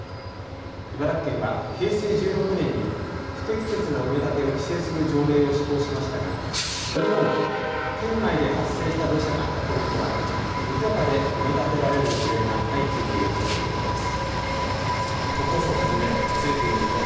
茨城県は平成１６年に不適切な埋め立てを規制する条例を施行しましたが、その後も県外で発生した土砂が運び込まれ、無許可で埋め立てられる事例が相次いでいるということです。